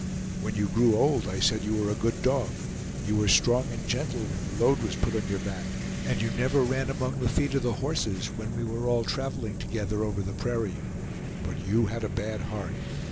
When you grew old, I said you were a good dog. You were strong and gentle when the load was put on your back, and you never ran among the feet of the horses when we were all traveling together over the prairie. But you had a bad heart!